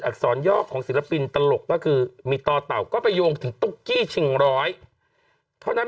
อสรย่อของศิลปินตลกก็คือมีต่อเต่าก็ไปโยงถึงตุ๊กกี้ชิงร้อยเท่านั้น